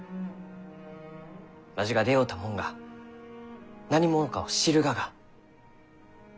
わしが出会うたもんが何者かを知るがが。